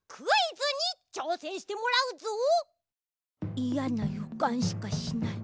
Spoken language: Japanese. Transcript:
いやなよかんしかしない。